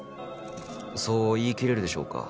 そう言い切れるでしょうか？